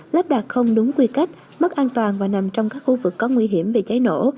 là không đúng quy kết mất an toàn và nằm trong các khu vực có nguy hiểm về cháy nổ